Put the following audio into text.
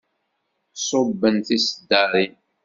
Ṣubben tiseddaṛin.